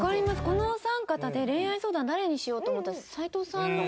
このお三方で恋愛相談誰にしようと思ったら斉藤さんが。